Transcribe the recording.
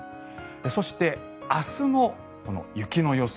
そして、明日も雪の予想。